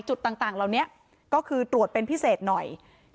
จุดต่างเหล่านี้ก็คือตรวจเป็นพิเศษหน่อย